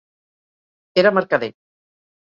Era mercader.